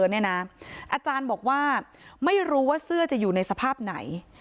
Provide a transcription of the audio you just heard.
อาจารย์บอกว่าไม่รู้ว่าเสื้อจะอยู่ในสภาพไหน